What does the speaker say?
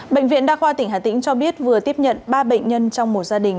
bệnh viện đa khoa tỉnh hà tĩnh cho biết vừa tiếp nhận ba bệnh nhân trong một gia đình